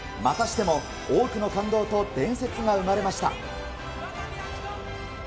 またしても、多くの感動と伝説が生まれました。